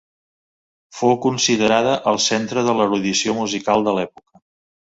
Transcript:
Fou considerada el centre de l'erudició musical de l'època.